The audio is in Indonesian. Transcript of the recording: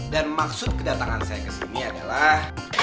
dan maksud kedatangan saya kesini adalah